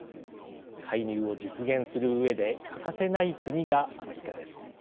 介入を実現するうえで欠かせない国がアメリカです。